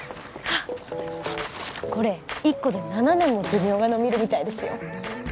これ一個で７年も寿命が延びるみたいですよ